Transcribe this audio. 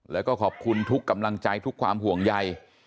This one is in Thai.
แล้วก็ขอบคุณทุกกำลังใจทุกความห่วงใย